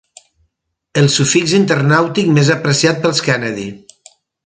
El sufix internàutic més apreciat pels Kennedy.